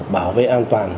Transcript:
bảo vệ an toàn